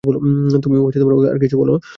তুমিও ওকে আর কিছু বোলো না।